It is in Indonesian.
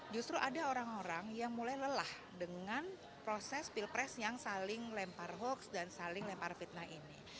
justru ada orang orang yang mulai lelah dengan proses pilpres yang saling lempar hoax dan saling lempar fitnah ini